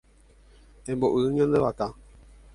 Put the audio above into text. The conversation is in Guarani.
Emboy'u ñande vaka.